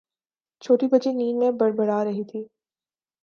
چھوٹی بچی نیند میں بڑبڑا رہی تھی